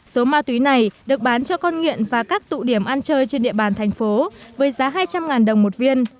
số ma túy này được bán cho con nghiện và các tụ điểm ăn chơi trên địa bàn thành phố với giá hai trăm linh đồng một viên